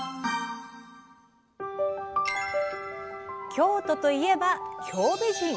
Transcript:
京都といえば京美人。